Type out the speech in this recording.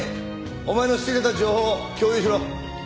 お前の仕入れた情報を共有しろ。